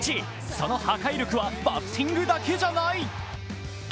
その破壊力はバッティングだけじゃない。